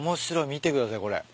見てくださいこれ。